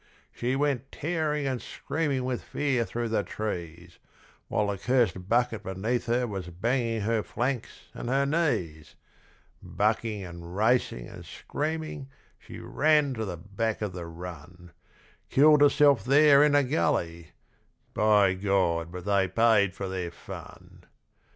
She went tearing and screaming with fear through the trees, While the curst bucket beneath her was banging her flanks and her knees. Bucking and racing and screaming she ran to the back of the run, Killed herself there in a gully; by God, but they paid for their fun!